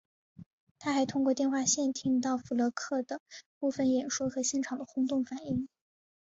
他还通过电话线听到福勒克的部分演说和现场的轰动反响。